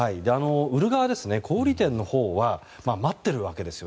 売る側、小売店のほうは待っているわけです